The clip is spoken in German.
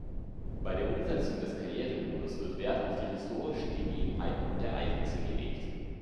Bei der Umsetzung des Karrieremodus wird Wert auf die historischen Gegebenheiten und Ereignisse gelegt.